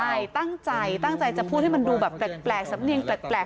ใช่ตั้งใจตั้งใจจะพูดให้มันดูแบบแปลกสำเนียงแปลก